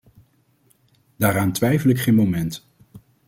Daaraan twijfel ik geen moment.